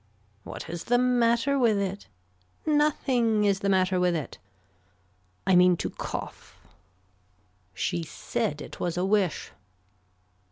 What is the matter with it. Nothing is the matter with it. I mean to cough. She said it was a wish.